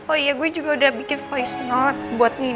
oh iya gue juga udah bikin voice note buat nih